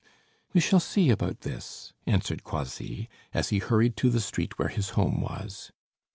"We shall see about this," answered Croisilles, as he hurried to the street where his home was.